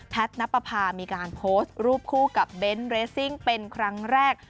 นับประพามีการโพสต์รูปคู่กับเบนท์เรสซิ่งเป็นครั้งแรก